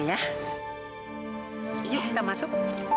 yuk kita masuk